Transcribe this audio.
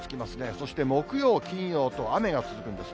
そして木曜、金曜と雨が続くんです。